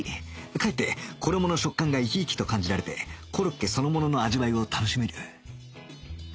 かえって衣の食感が生き生きと感じられてコロッケそのものの味わいを楽しめる